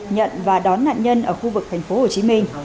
nhận và đón nạn nhân ở khu vực thành phố hồ chí minh